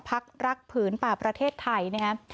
พักรักผืนป่าประเทศไทยนะครับ